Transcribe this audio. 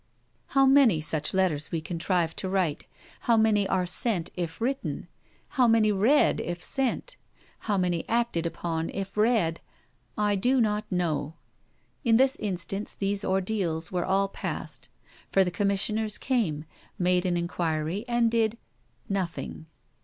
How many such letters we contrive to write, how many are sent if written, how many read if sent, how many acted upon if read, I do not know. In this instance these ordeals were all passed; for the Commissioners came, made an enquiry, and did nothing.